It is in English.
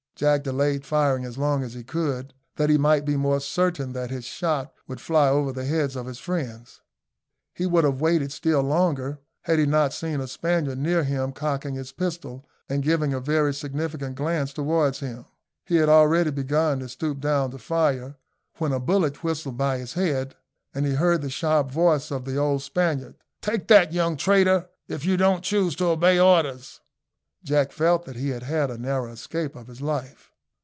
Jack delayed firing as long as he could, that he might be more certain that his shot would fly over the heads of his friends. He would have waited still longer, had he not seen a Spaniard near him cocking his pistol and giving a very significant glance towards him. He had already begun to stoop down to fire, when a bullet whistled by his head, and he heard the sharp voice of the old Spaniard, "Take that, young traitor, if you don't choose to obey orders." Jack felt that he had had a narrow escape of his life.